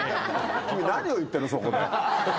君、何を言ってんの、そこで。